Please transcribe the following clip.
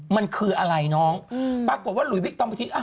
มันคืออะไรน้องปรากฏว่าหลุยบิ๊กต๊มไปที